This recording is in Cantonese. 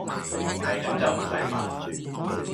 係咁就唔駛煩